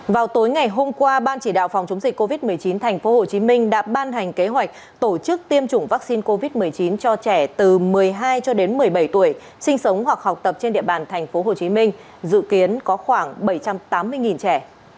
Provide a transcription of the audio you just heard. vào tối ngày hôm qua ban chỉ đạo phòng chống dịch covid một mươi chín tp hcm đã ban hành kế hoạch tổ chức tiêm chủng vaccine covid một mươi chín cho trẻ từ một mươi hai cho đến một mươi bảy tuổi sinh sống hoặc học tập trên địa bàn tp hcm dự kiến có khoảng bảy trăm tám mươi trẻ